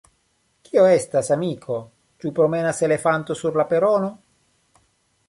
Kio estas, amiko, ĉu promenas elefanto sur la perono?